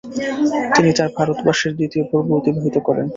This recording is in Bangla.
তিনি তার ভারতবাসের দ্বিতীয় পর্ব অতিবাহিত করেন।